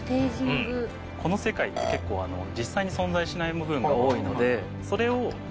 この世界って結構実際に存在しない部分が多いのでそれをじゃあ